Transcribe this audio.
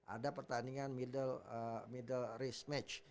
ada pertandingan middle risk match